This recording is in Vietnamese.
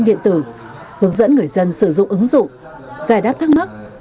tài khoản định dạy điện tử hướng dẫn người dân sử dụng ứng dụng giải đáp thắc mắc